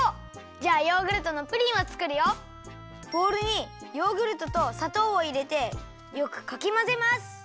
じゃあヨーグルトのプリンをつくるよボウルにヨーグルトとさとうをいれてよくかきまぜます。